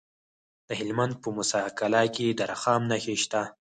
د هلمند په موسی قلعه کې د رخام نښې شته.